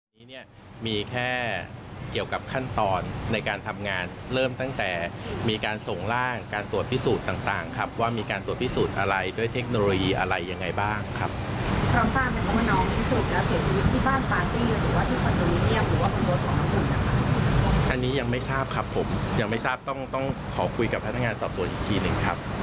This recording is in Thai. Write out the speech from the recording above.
เบื้อนึงคืออยู่ไหมคะในร่างกายสถานชนิดอื่น